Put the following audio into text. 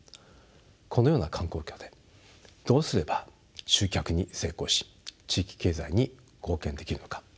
このような環境下でどうすれば集客に成功し地域経済に貢献できるのか。